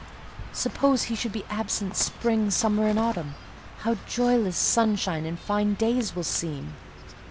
Suppose he should be absent spring, summer, and autumn: how joyless sunshine and fine days will seem!"